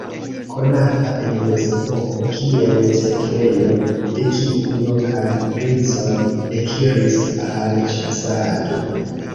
Konata en mezepoko kiel setlejo, de kiu lokaj princoj ekiris al ĉasado.